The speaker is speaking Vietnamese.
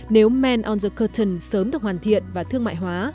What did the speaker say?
nếu men on the curtain sớm được hoàn thiện và thương mại hóa